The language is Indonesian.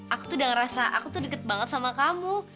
aku tuh udah ngerasa aku tuh deket banget sama kamu